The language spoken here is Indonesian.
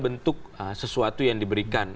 bentuk sesuatu yang diberikan